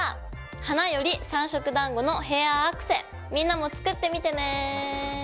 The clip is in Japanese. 花より「三色だんご」のヘアアクセみんなも作ってみてね。